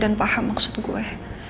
dan paham maksud gue